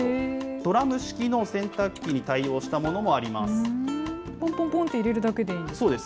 ドラム式の洗濯機に対応したものぽんぽんぽんって入れるだけそうです。